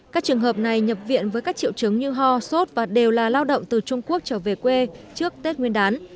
các trường hợp này nhập viện với các triệu chứng như ho sốt và đều là lao động từ trung quốc trở về quê trước tết nguyên đán